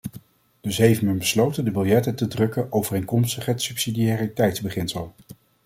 Dus heeft men besloten de biljetten te drukken overeenkomstig het subsidiariteitsbeginsel.